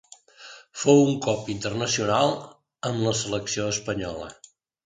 Fou un cop internacional amb la selecció espanyola.